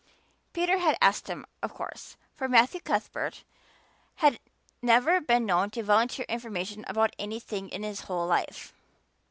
Peter had asked him, of course, for Matthew Cuthbert had never been known to volunteer information about anything in his whole life.